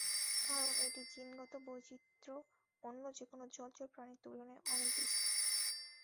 কারণ, এটির জিনগত বৈচিত্র্য অন্য যেকোনো জলচর প্রাণীর তুলনায় অনেক বেশি।